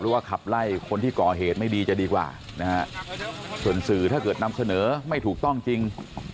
ว่าขับไล่คนที่ก่อเหตุไม่ดีจะดีกว่านะฮะส่วนสื่อถ้าเกิดนำเสนอไม่ถูกต้องจริง